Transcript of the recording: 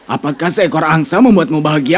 apakah seekor angsa membuatmu bahagia